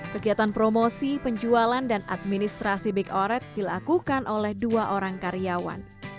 kegiatan promosi penjualan dan administrasi big oret dilakukan oleh dua orang karyawan